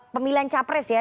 pemilihan capres ya